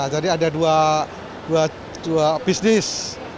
jadi ada dua bisnis